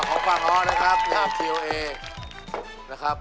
ของฝั่งอ้อนะครับหลับทีโอเอนะครับ